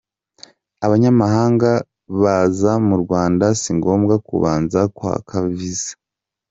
Abanyamahanga baza mu Rwanda si ngombwa kubanza kwaka viza.